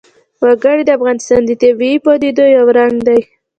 وګړي د افغانستان د طبیعي پدیدو یو رنګ دی.